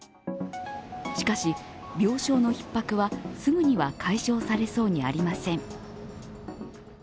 しかし、病床のひっ迫はすぐには解消されそうにありません。